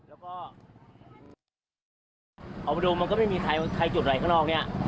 เอามาดูมันก็ไม่มีใครจุดไร้ข้างนอกนี่